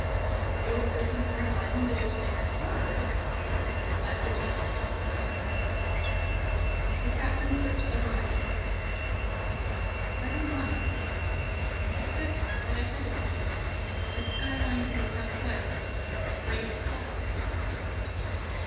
They were searching for an island of which they had heard, but which they had never seen. The captain searched the horizon again, but he saw nothing, except that ahead of him, on the sky line to the S.W., great clouds had gathered.